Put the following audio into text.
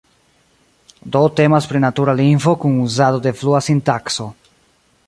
Do temas pri natura lingvo kun uzado de flua sintakso.